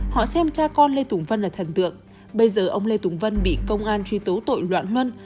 họ xem cha con lê tùng vân là thần tượng bây giờ ông lê tùng vân bị công an truy tố tội loạn mân